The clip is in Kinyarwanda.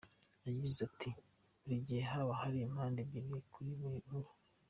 Yagize ati “Buri gihe haba hari impande ebyiri kuri buri nkuru.